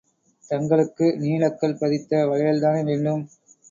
தங்களுக்கு நீலக்கல் பதித்த வளையல்தானே வேண்டும்?